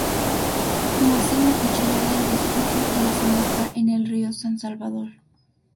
Nace en la Cuchilla del Bizcocho y desemboca en el río San Salvador.